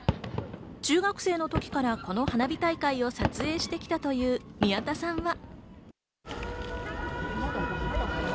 中学生の時からこの花火大会を撮影してきたという、宮田さんは。